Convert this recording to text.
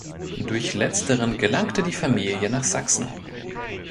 Durch letzteren gelangte die Familie nach Sachsen.